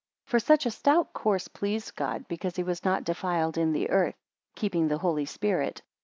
56 For such a stout course pleased God, because he was not defiled in the earth, keeping the Holy Spirit.